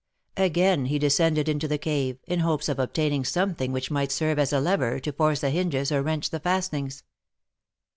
Again he descended into the cave, in hopes of obtaining something which might serve as a lever to force the hinges or wrench the fastenings.